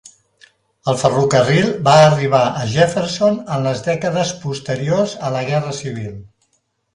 El ferrocarril va arribar a Jefferson en les dècades posteriors a la guerra civil.